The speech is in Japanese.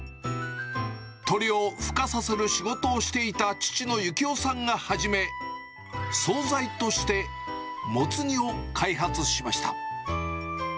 鶏をふ化させる仕事をしていた父の行雄さんが始め、総菜としてモツ煮を開発しました。